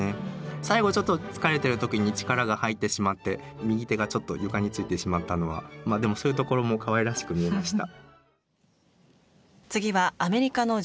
最後ちょっと疲れてる時に力が入ってしまって右手がちょっと床についてしまったのはまあでもそういうところもかわいらしく見えました。